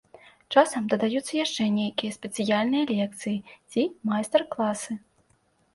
Часам дадаюцца яшчэ нейкія спецыяльныя лекцыі ці майстар-класы.